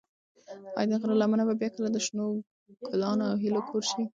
ایا د غره لمنه به بیا کله د شنو ګلانو او هیلو کور شي؟